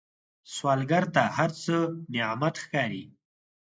سوالګر ته هر څه نعمت ښکاري